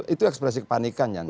itu ekspresi kepanikan janser